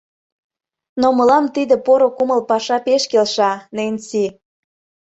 — Но мылам тиде поро кумыл паша пеш келша, Ненси.